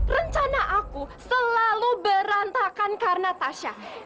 rencana aku selalu berantakan karena tasya